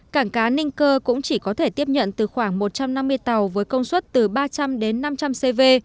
cảng cá ninh cơ cũng chỉ có thể tiếp nhận từ khoảng một trăm năm mươi tàu với công suất từ ba trăm linh đến năm trăm linh cv